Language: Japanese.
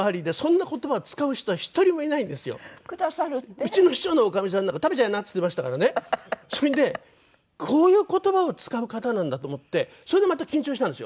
うちの秘書のおかみさんなんか「食べちゃいな」っつってましたからね。それでこういう言葉を使う方なんだと思ってそれでまた緊張したんですよ。